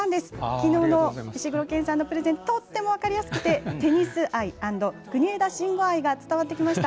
きのうの石黒賢さんのプレゼンとっても分かりやすくてテニス愛アンド国枝慎吾愛が伝わってきました。